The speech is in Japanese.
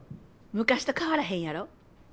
昔と変わらへんやろ？